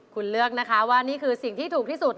คุณเลือกนะคะว่านี่คือสิ่งที่ถูกที่สุด